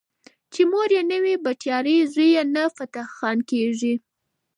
چې مور یې نه وي بټيارۍ زوی يې نه فتح خان کيږي